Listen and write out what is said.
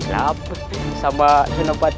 kenap sama senopat